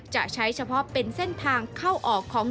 จะใช้เฉพาะเป็นเส้นทางเข้าออกของ